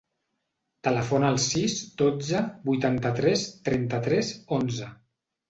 Telefona al sis, dotze, vuitanta-tres, trenta-tres, onze.